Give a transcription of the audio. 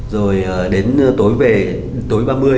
rồi đến tối về tối ba mươi